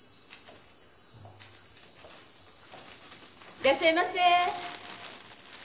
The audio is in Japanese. いらっしゃいませ。